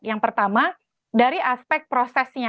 yang pertama dari aspek prosesnya